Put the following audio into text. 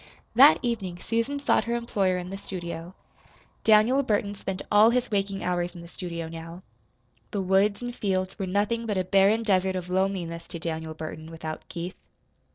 That evening Susan sought her employer in the studio. Daniel Burton spent all his waking hours in the studio now. The woods and fields were nothing but a barren desert of loneliness to Daniel Burton without Keith.